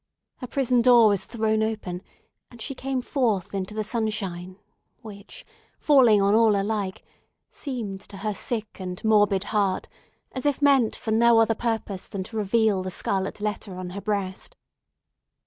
Her prison door was thrown open, and she came forth into the sunshine, which, falling on all alike, seemed, to her sick and morbid heart, as if meant for no other purpose than to reveal the scarlet letter on her breast.